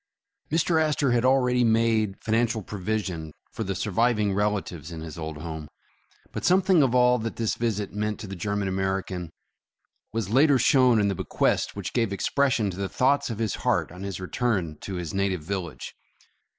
Mr. Astor had already made financial provisif n for 256 The Astorhaus the surviving relatives in his old home, but something of all that this visit meant to the German American, was later shown in the bequest which gave expression to the thoughts of his heart on his return to his native village.